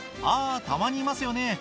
あぁたまにいますよね